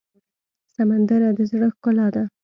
سندره د زړه ښکلا ده